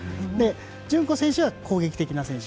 順子選手は攻撃的な選手。